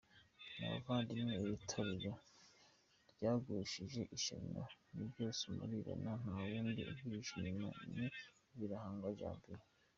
mwabavandimwe iri torero ryagushijem ishyano ibibyose muribonamo ntawundi ubyihishe inyuma ni Birahagwa janvier.